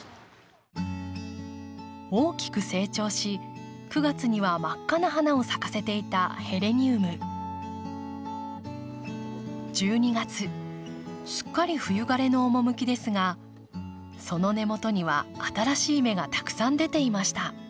大きく成長し９月には真っ赤な花を咲かせていた１２月すっかり冬枯れの趣ですがその根元には新しい芽がたくさん出ていました。